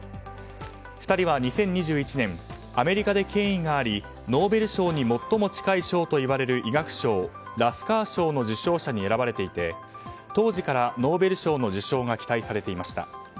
２人は２０２１年アメリカで権威がありノーベル賞に最も近い賞といわれる医学賞、ラスカー賞の受賞者に選ばれていて当時からノーベル賞の受賞が期待されていました。